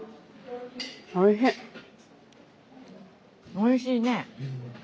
おいしいね。